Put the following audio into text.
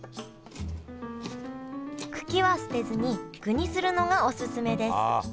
茎は捨てずに具にするのがオススメですああ。